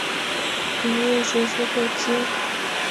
Inywei seset ochei